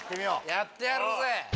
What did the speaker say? やってやるぜ！